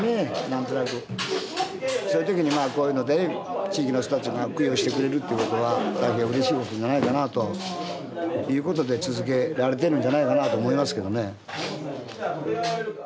そういう時にこういうので地域の人たちが供養してくれるっていう事は大変うれしい事じゃないかなという事で続けられてるんじゃないかなと思いますけどね。